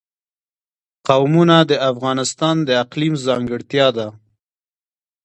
قومونه د افغانستان د اقلیم ځانګړتیا ده.